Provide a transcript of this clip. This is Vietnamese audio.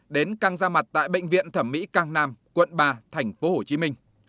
đến căng ra mặt tại bệnh viện thẩm mỹ cang nam quận ba tp hcm